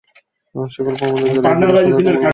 সকল প্রমাণাদি জ্বালিয়ে দিলে সন্দেহটা আমাদের উপর বর্তাবে।